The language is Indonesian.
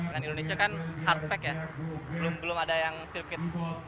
dan indonesia kan hard pack ya belum ada yang sirkuit